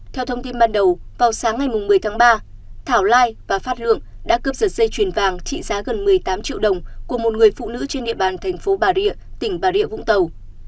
theo thông tin ban đầu vào sáng ngày một mươi tháng ba thảo lai và phát lượng đã cướp giật dây chuyền vàng trị giá gần một mươi tám triệu đồng của một người phụ nữ trên địa bàn thành phố bà rịa tỉnh bà rịa vũng tàu